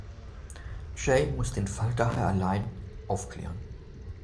Jay muss den Fall daher allein aufklären.